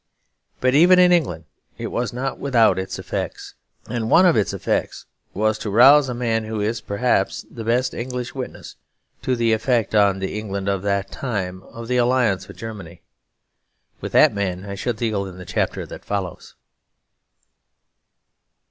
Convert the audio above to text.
But even in England it was not without its effects; and one of its effects was to rouse a man who is, perhaps, the best English witness to the effect on the England of that time of the Alliance with Germany. With that man I shall deal in the chapter that follows.